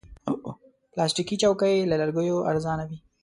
پلاستيکي چوکۍ له لرګیو ارزانه وي.